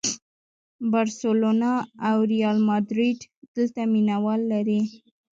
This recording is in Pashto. بارسلونا او ریال ماډریډ دلته مینه وال لري.